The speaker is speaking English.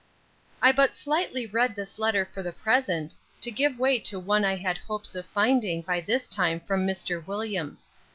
I but slightly read this letter for the present, to give way to one I had hopes of finding by this time from Mr. Williams.